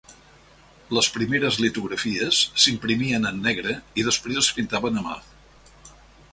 Les primeres litografies s'imprimien en negre i després es pintaven a mà.